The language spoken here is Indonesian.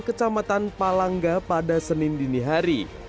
kecamatan palangga pada senin dinihari